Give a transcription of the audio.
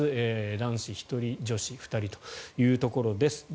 男子１人、女子２人というところです。